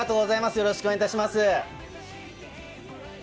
よろしくお願いします。